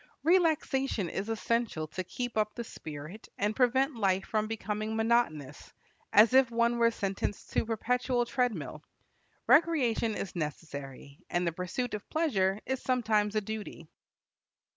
Relaxation is essential to keep up the spirit and prevent life from becoming monotonous, as if one were sentenced to perpetual treadmill. Recreation is necessary, and the pursuit of pleasure is sometimes a duty.